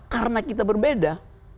karena kita berbeda